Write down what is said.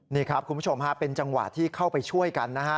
นี่ครับคุณผู้ชมฮะเป็นจังหวะที่เข้าไปช่วยกันนะฮะ